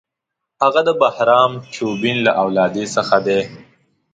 هغه د بهرام چوبین له اولادې څخه دی.